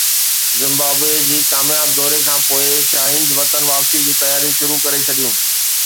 Zimbabwe جي ڪامياب دوري کانپوءِ شاهينز وطن واپسي جون تياريون شروع ڪري ڇڏيون